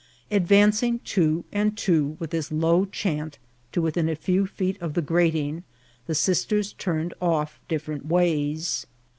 Advancing two and two vriA, this low diant to within a few feet of the grating, the sis ters turned off different ways.